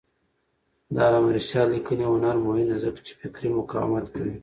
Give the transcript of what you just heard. د علامه رشاد لیکنی هنر مهم دی ځکه چې فکري مقاومت کوي.